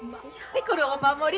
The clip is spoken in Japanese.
これお守り。